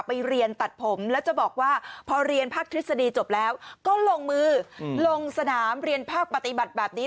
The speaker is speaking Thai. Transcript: เรียนตัดผมแล้วจะบอกว่าพอเรียนภาคทฤษฎีจบแล้วก็ลงมือลงสนามเรียนภาคปฏิบัติแบบนี้